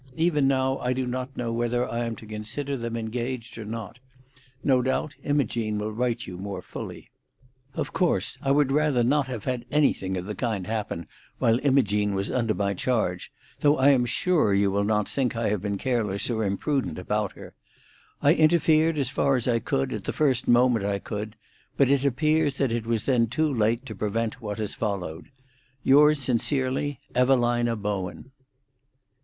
Even now I do not know whether I am to consider them engaged or not. No doubt Imogene will write you more fully. "Of course I would rather not have had anything of the kind happen while Imogene was under my charge, though I am sure you will not think I have been careless or imprudent about her. I interfered as far as I could, at the first moment I could, but it appears that it was then too late to prevent what has followed.—Yours sincerely, EVALINA BOWEN."